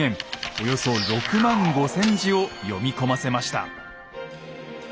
およそ６万５，０００字を読み込ませました。